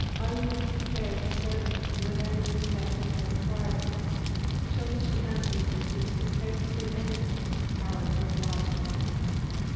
Are you prepared to serve me in whatever respect I may require you?" Chokichi answered that he was prepared to do anything in his power to oblige his honour.